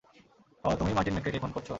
ওহ তুমিই মার্টিন মেক্রে কে খুন করছো।